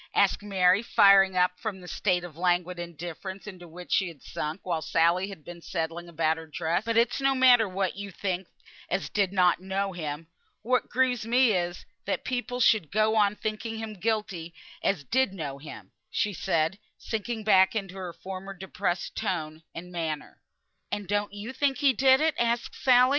asked Mary, firing up from the state of languid indifference into which she had sunk while Sally had been settling about her dress. "But it's no matter what you think as did not know him. What grieves me is, that people should go on thinking him guilty as did know him," she said, sinking back into her former depressed tone and manner. "And don't you think he did it?" asked Sally.